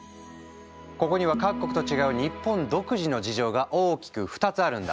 ここには各国と違う日本独自の事情が大きく２つあるんだ。